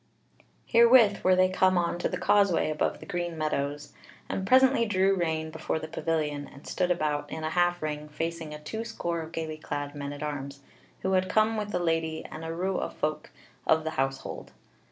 Herewith were they come on to the causeway above the green meadows, and presently drew rein before the pavilion, and stood about in a half ring facing a two score of gaily clad men at arms, who had come with the Lady and a rout of folk of the household.